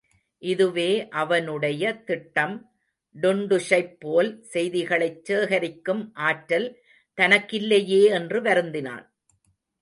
இதுவே அவனுடைய திட்டம், டுன்டுஷைப் போல் செய்திகளைச் சேகரிக்கும் ஆற்றல் தனக்கில்லையே என்று வருந்தினான்.